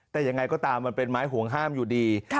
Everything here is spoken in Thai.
แต่ยังไงก็ตามมันเป็นไม้ห่วงห้ามอยู่ดี